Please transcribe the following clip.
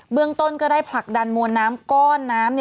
เมืองต้นก็ได้ผลักดันมวลน้ำก้อนน้ำ